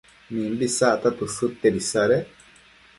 mimbi isacta tësëdtiad isadec